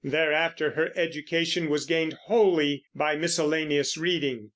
Thereafter her education was gained wholly by miscellaneous reading.